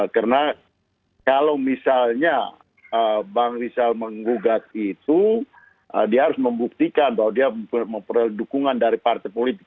karena kalau misalnya bang rizal menggugat itu dia harus membuktikan bahwa dia memperlukan dukungan dari partai politik